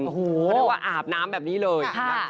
เขาเรียกว่าอาบน้ำแบบนี้เลย